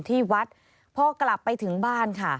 ที่วัดพอกลับไปถึงบ้านค่ะ